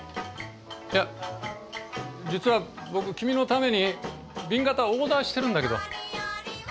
いや実は僕君のために紅型をオーダーしてるんだけど。